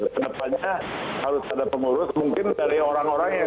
ke pengurusan pak nggak